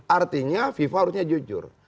artinya fifa harusnya jujur